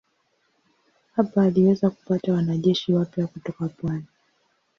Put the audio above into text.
Hapa aliweza kupata wanajeshi wapya kutoka pwani.